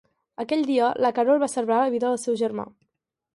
Aquella dia, la Carol va salvar la vida del seu germà.